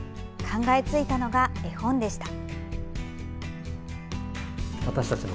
考えついたのが、絵本でした。